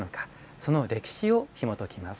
その歴史をひもときます。